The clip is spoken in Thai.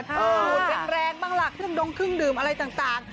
ดูแรงบ้างหลักดงคึ่งดื่มอะไรต่าง